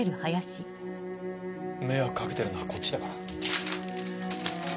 迷惑掛けてるのはこっちだから。